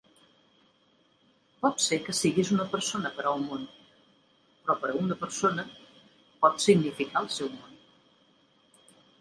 Pot ser que siguis una persona per al món, però per a una persona, pots significar el seu món.